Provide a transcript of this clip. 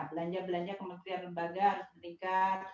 belanja belanja kementerian lembaga harus meningkat